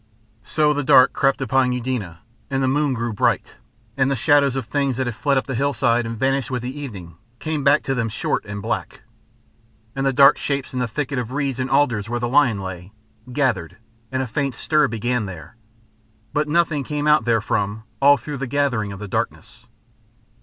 So the dark crept upon Eudena, and the moon grew bright, and the shadows of things that had fled up the hillside and vanished with the evening came back to them short and black. And the dark shapes in the thicket of reeds and alders where the lion lay, gathered, and a faint stir began there. But nothing came out therefrom all through the gathering of the darkness.